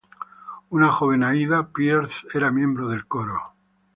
Una joven Aída Pierce era miembro del coro.